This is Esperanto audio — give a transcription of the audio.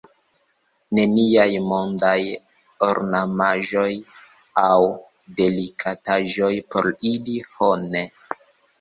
Neniaj mondaj ornamaĵoj aŭ delikataĵoj por ili, ho ne!